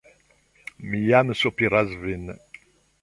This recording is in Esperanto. Mi jam sopiras vin!